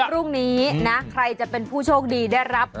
พรุ่งนี้นะใครจะเป็นผู้โชคดีได้รับ